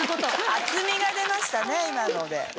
厚みが出ましたね、今ので。